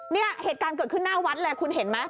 เนี่ยเหตุการณ์เกิดขึ้นหน้าวัดเลยคุณเห็นไหม